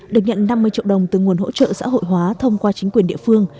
được nhận năm mươi triệu đồng từ nguồn hỗ trợ xã hội hóa thông qua chính quyền địa phương